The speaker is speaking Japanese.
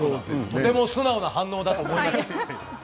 とても素直な反応だと思います。